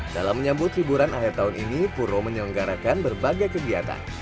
dalam menyambut hiburan akhir tahun ini puro menyelenggarakan berbagai kegiatan